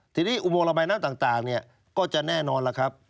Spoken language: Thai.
ทีนี้อุโมงระบายน้ำต่างก็จะแน่นอนล่ะครับ